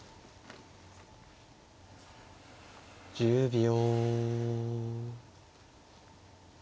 １０秒。